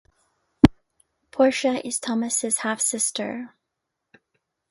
Portia is Thomas's half sister.